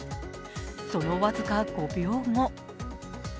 その僅か５秒後。